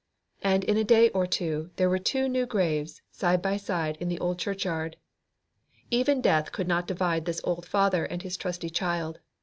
And in a day or two there were two new graves side by side in the old churchyard. Even death could not divide this old father and his trusty child.